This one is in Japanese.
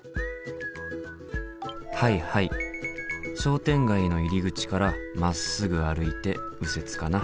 はいはい商店街の入り口からまっすぐ歩いて右折かな。